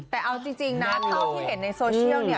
แต่เอาจริงนะเท่าที่เห็นในโซเชียลเนี่ย